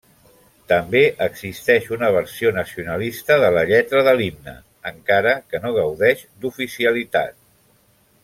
També existeix una versió nacionalista de la lletra de l'himne, encara que no gaudeix d'oficialitat.